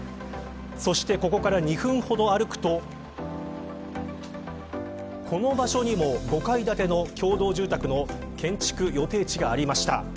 そしてここから２分ほど歩くとこの場所にも、５階建ての共同住宅の建築予定地がありました。